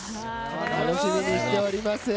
楽しみにしております。